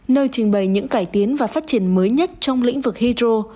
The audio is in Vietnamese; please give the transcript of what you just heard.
nơi trình bày những cải tiến và phát triển mới nhất trong lĩnh vực hydro